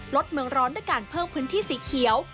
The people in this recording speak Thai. ลดเมืองร้อนด้วยการเพิ่มพื้นที่สีเขียว